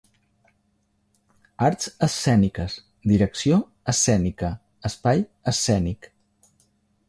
Arts escèniques, direcció escènica, espai escènic.